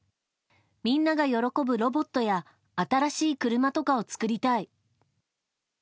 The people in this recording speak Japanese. みんなが喜ぶロボットや新しい車とかを作りたい。